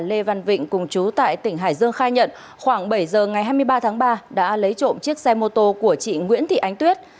lê văn vịnh cùng chú tại tỉnh hải dương khai nhận khoảng bảy giờ ngày hai mươi ba tháng ba đã lấy trộm chiếc xe mô tô của chị nguyễn thị ánh tuyết